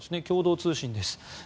共同通信です。